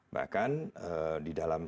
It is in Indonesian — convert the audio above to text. bahkan di dalam stnk